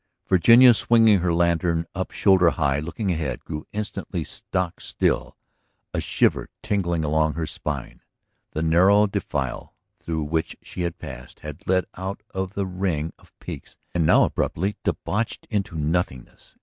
Virginia swinging her lantern up shoulder high, looking ahead, grew instantly stock still, a shiver tingling along her spine. The narrow defile through which she had passed had led out of the ring of peaks and now abruptly debouched into nothingness.